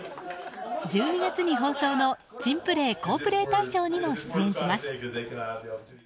１２月に放送の「珍プレー好プレー大賞」にも出演します。